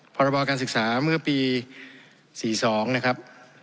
พรบการศึกษาเมื่อปี๔๒นะครับ